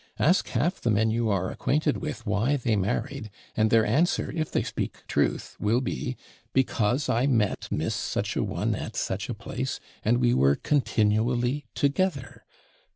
Ask half the men you are acquainted with why they married, and their answer, if they speak truth, will be: "Because I met Miss such a one at such a place, and we were continually together."